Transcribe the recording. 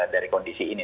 dari kondisi ini